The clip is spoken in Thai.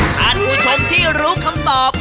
ถ้าทุกชมที่รู้คำตอบ